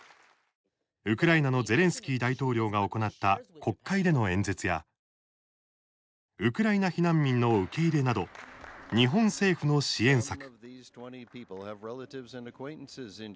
ウクライナのゼレンスキー大統領が行った国会での演説やウクライナ避難民の受け入れなど日本政府の支援策。